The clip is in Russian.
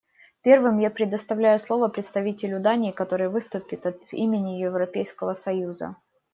Первым я предоставляю слово представителю Дании, который выступит от имени Европейского союза.